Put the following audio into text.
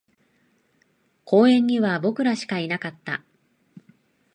公園には僕らしかいなかった